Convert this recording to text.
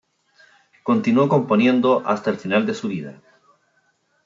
Continuó componiendo hasta el final de su vida.